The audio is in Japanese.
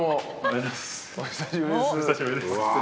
お久しぶりです。